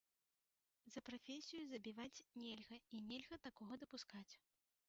За прафесію забіваць нельга, і нельга такога дапускаць.